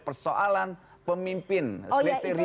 persoalan pemimpin kriteria